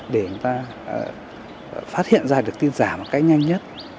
để chúng ta phát hiện ra được tin giả một cách nhanh nhất